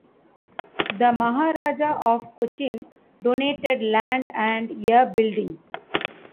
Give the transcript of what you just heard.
The Maharaja of Cochin donated land and a building.